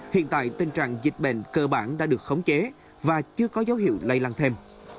hiện tại tình trạng dịch bệnh cơ bản đã được khống chế và chưa có dấu hiệu lây lan thêm